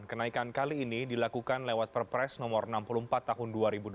kenaikan kali ini dilakukan lewat perpres nomor enam puluh empat tahun dua ribu dua puluh